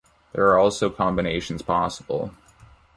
There are also combinations possible.